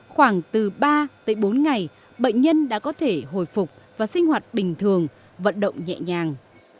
khoảng từ ba tới bốn ngày bệnh nhân đã có thể hồi phục và sinh hoạt bình thường vận động nhẹ nhàng